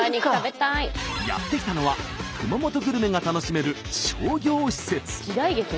やって来たのは熊本グルメが楽しめる商業施設。